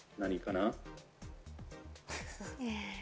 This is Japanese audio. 何かな？